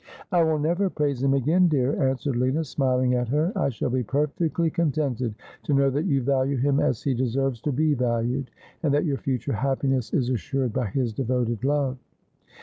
' I will never praise him again, dear,' answered Lina, smiling at her. ' I shall be perfectly contented to know that you value him as he deserves to be valued, and that your future happiness is assured by his devoted love.'